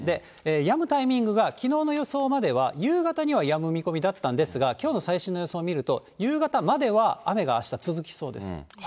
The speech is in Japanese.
やむタイミングが、きのうの予想までは夕方にはやむ予想だったんですが、きょうの最新の予想を見ると、夕方までは雨があした続きそうです。